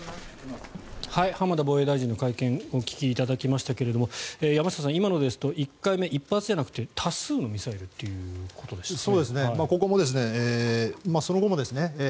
浜田防衛大臣の会見をお聞きしましたが山下さん、今のですと１回目１発じゃなくて多数のミサイルということですね。